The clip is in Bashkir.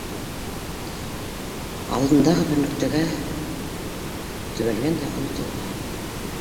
Алдындағы бер нөктәгә тө бәлгән дә онотолған